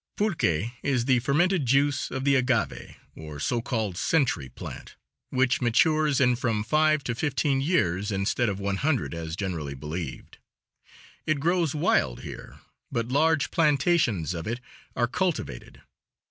Pulque is the fermented juice of the agave, or so called century plant, which matures in from five to fifteen years, instead of one hundred as generally believed. It grows wild here, but large plantations of it are cultivated.